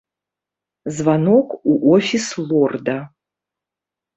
Званок у офіс лорда.